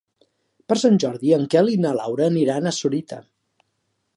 Per Sant Jordi en Quel i na Laura aniran a Sorita.